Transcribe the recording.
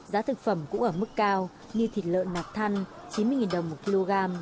giá thực phẩm cũng ở mức cao như thịt lợn nạc thăn chín mươi đồng một kg